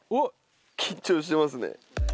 緊張しますね。